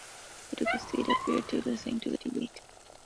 He took his seat; and appeared to be listening to the debate.